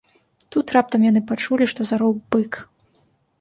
Тут раптам яны пачулі, што зароў бык.